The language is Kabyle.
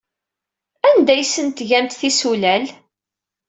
Anda ay asen-tgamt tisulal?